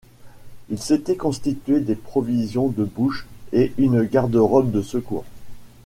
Il s’était constitué des provisions de bouche et une garde-robe de secours.